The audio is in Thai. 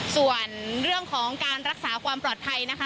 ส่วนเรื่องของการรักษาความปลอดภัยนะคะ